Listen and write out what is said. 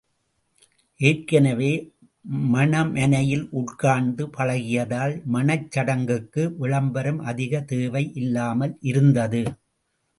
ஏற்கனவே மணமனையில் உட்கார்ந்து பழகியதால் மணச் சடங்குக்கு விளம்பரம் அதிகம் தேவை இல்லாமல் இருந்தது.